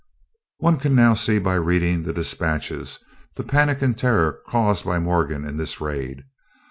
One can now see by reading the dispatches the panic and terror caused by Morgan in this raid.